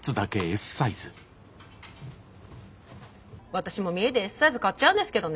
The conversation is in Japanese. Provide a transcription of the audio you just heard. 私も見栄でＳサイズ買っちゃうんですけどね